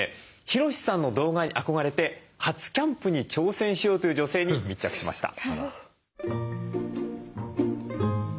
ヒロシさんの動画に憧れて初キャンプに挑戦しようという女性に密着しました。